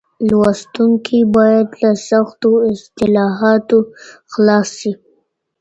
لوستونکي بايد له سختو اصطلاحاتو خلاص شي.